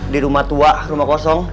di rumah tua rumah kosong